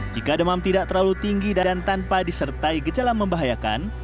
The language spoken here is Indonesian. jika demam tidak terlalu tinggi dan tanpa disertai gejala membahayakan